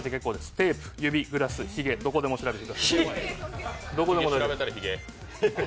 テープ、指、グラス、ひげ、どこでも調べて結構です。